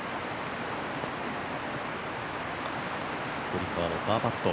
堀川のパーパット。